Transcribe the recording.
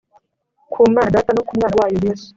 ku manaData no ku Mwana wayo Yesu